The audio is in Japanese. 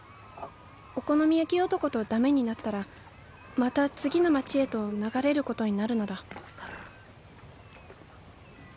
お好み焼き男と駄目になったらまた次の町へと流れることになるのだ